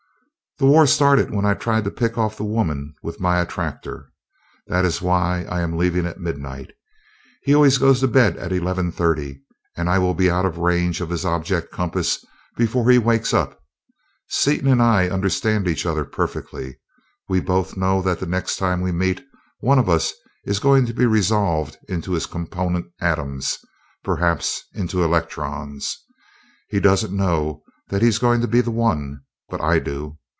"The war started when I tried to pick off the women with my attractor. That is why I am leaving at midnight. He always goes to bed at eleven thirty, and I will be out of range of his object compass before he wakes up. Seaton and I understand each other perfectly. We both know that the next time we meet one of us is going to be resolved into his component atoms, perhaps into electrons. He doesn't know that he's going to be the one, but I do.